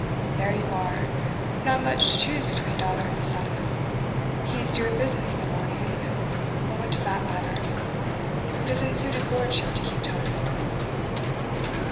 'There you are. Not much to choose between daughter and son. He's due at business in the morning; but what does that matter? It doesn't suit his lordship to keep time.